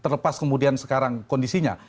terlepas kemudian sekarang kondisinya